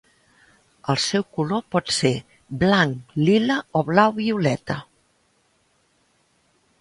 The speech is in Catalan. El seu color pot ser blanc, lila o blau-violeta.